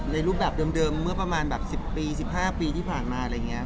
รูปแบบเดิมเมื่อประมาณแบบ๑๐ปี๑๕ปีที่ผ่านมาอะไรอย่างนี้